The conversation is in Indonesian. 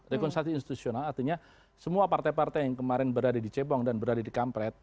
rekonsili institusional artinya semua partai partai yang kemarin berada di cebong dan berada di kampret